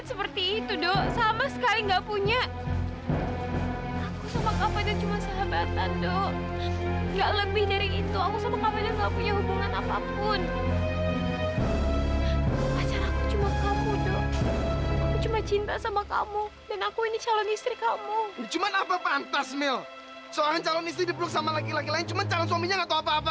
sampai jumpa di video selanjutnya